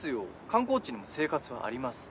観光地にも生活はあります。